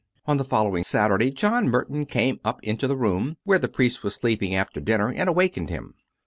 IV On the following Saturday John Merton came up into the room where the priest was sleeping after dinner and awakened him.